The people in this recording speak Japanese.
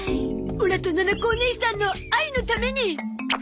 オラとななこおねいさんの愛のために！